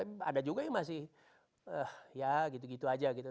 tapi ada juga yang masih ya gitu gitu aja gitu